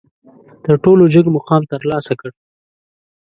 تر ټولو جګ مقام ترلاسه کړ.